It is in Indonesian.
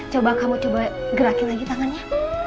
coba kamu coba gerakin lagi tangannya